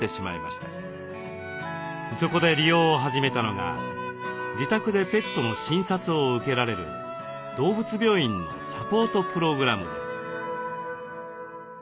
そこで利用を始めたのが自宅でペットの診察を受けられる動物病院のサポートプログラムです。